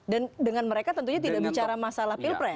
dan dengan mereka tentunya tidak bicara masalah pilpres